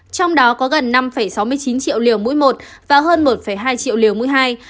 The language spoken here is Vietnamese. trong đó có gần năm sáu mươi chín triệu liều mũi một và hơn một hai triệu liều mũi hai